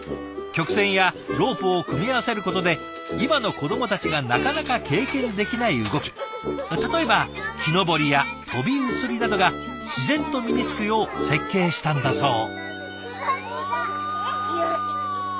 曲線やロープを組み合わせることで今の子どもたちがなかなか経験できない動き例えば木登りや飛び移りなどが自然と身につくよう設計したんだそう。